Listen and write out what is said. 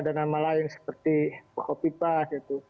ada nama lain seperti pak hopipa gitu